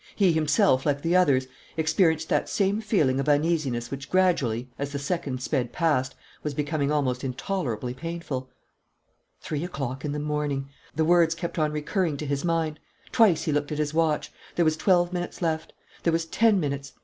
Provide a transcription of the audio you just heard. He himself, like the others, experienced that same feeling of uneasiness which gradually, as the seconds sped past, was becoming almost intolerably painful. Three o'clock in the morning! ... The words kept on recurring to his mind. Twice he looked at his watch. There was twelve minutes left. There was ten minutes.